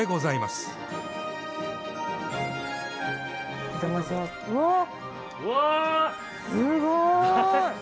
すごい！